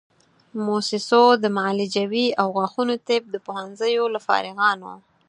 موسسو د معالجوي او غاښونو طب د پوهنځیو له فارغانو